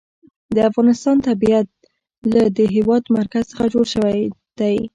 د افغانستان طبیعت له د هېواد مرکز څخه جوړ شوی دی.